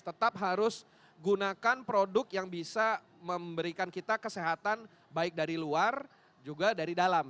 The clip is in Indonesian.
tetap harus gunakan produk yang bisa memberikan kita kesehatan baik dari luar juga dari dalam